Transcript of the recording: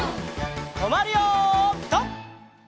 とまるよピタ！